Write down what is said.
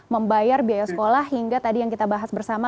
membayar biaya sekolah hingga tadi yang kita bahas bersama